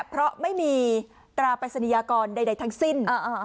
เพราะไม่มีตราปริศนียากรใดทั้งสิ้น